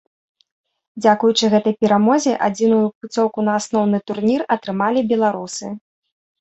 Дзякуючы гэтай перамозе адзіную пуцёўку на асноўны турнір атрымалі беларусы.